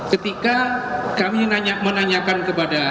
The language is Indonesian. ketika kami menanyakan kepada